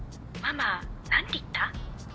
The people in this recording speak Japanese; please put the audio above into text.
ママ何て言った？